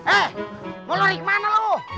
eh mau lari kemana loh